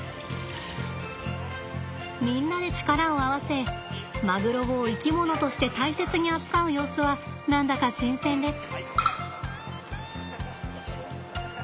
みんなで力を合わせマグロを生き物として大切に扱う様子は何だか新鮮です。